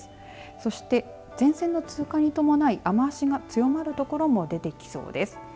そして前線の通過に伴い雨足が強まる所も出てきそうです。